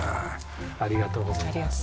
ありがとうございます。